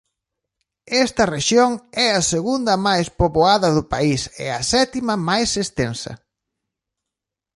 Esta rexión é a segunda máis poboada do país e a sétima máis extensa.